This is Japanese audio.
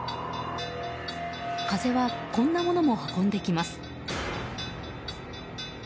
風はこんなものも運んできます。